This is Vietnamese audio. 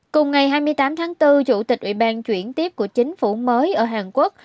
cùng ngày hai mươi tám tháng bốn chủ tịch ủy ban chuyển tiếp của chính phủ mới ở hàn quốc